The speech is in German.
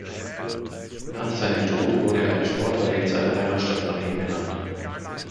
Nach seinem Tod wurde eine Sporthalle in seiner Heimatstadt nach ihm benannt.